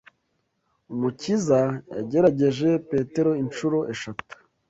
Umukiza yagerageje Petero incuro eshatu